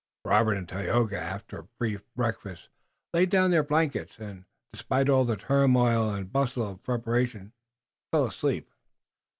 Robert and Tayoga, after a brief breakfast, lay down on their blankets and, despite all the turmoil and bustle of preparation, fell asleep.